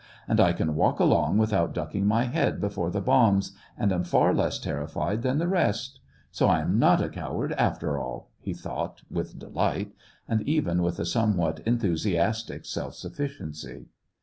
And I can walk along without ducking my head before the bombs, and am far less terrified than the rest ! So I am not a coward, after all }" he thought with delight, and even with a some what enthusiastic self sufficiency.